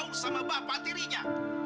kau sama bapak dirinya